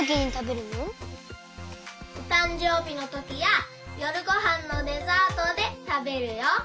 おたんじょうびのときやよるごはんのデザートでたべるよ。